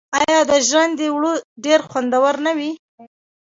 آیا د ژرندې اوړه ډیر خوندور نه وي؟